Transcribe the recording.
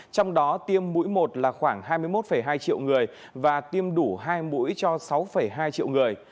trong đó tiêm mũi một là khoảng hai mươi một hai triệu người và tiêm đủ hai mũi cho sáu hai triệu người